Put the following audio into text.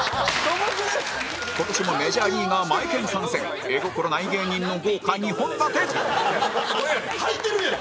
今年もメジャーリーガーマエケン参戦絵心ない芸人の豪華２本立てはいてるやん！